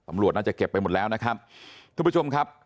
ตำรวจน่าจะเก็บไปหมดแล้วนะครับทุกผู้ชมครับ